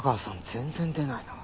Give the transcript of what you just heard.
全然出ないな。